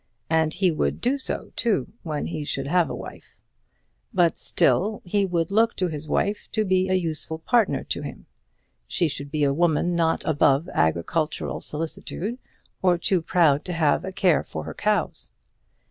And he would do so, too, when he should have a wife. But still he would look to his wife to be a useful partner to him. She should be a woman not above agricultural solicitude, or too proud to have a care for her cows.